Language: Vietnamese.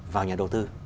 vào nhà đầu tư